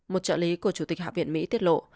một trợ lý của chủ tịch hạ viện mỹ tiết lộ